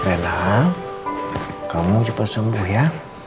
rena kamu cepat sembuh ya